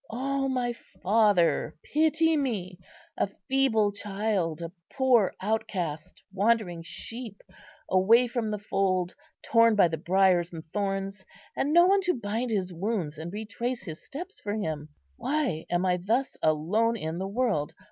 O my Father, pity me! a feeble child, a poor, outcast, wandering sheep, away from the fold, torn by the briars and thorns, and no one to bind his wounds and retrace his steps for him. Why am I thus alone in the world?